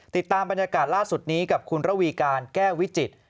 ติดตามบรรยากาศล่าสุดนี้กับคุณระวีการแก้ววิจิตร